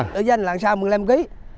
nước dân làm sao mình lên một ký